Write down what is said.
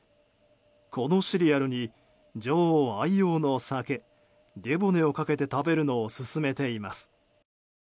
このシリアルに女王愛用の酒デュボネをかけて食べるのを勧めています。